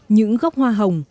những gốc hoa hồng